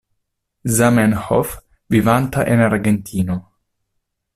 Zamenhof, vivanta en Argentino.